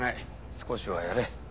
少しはやれ。